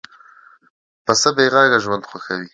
پسه بېغږه ژوند خوښوي.